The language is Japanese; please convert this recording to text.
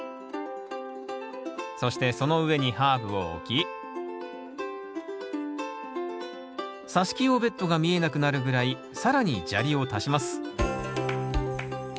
そしてその上にハーブを置きさし木用ベッドが見えなくなるぐらい更に砂利を足します